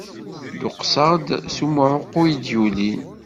Dduqseɣ-d s umɛuqqu iyi-d-yulin.